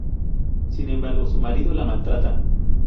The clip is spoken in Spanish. Sin embargo su marido la maltrata.